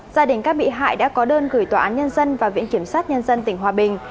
gia đình các bị hại đã có đơn gửi tòa án nhân dân và viện kiểm sát nhân dân tỉnh hòa bình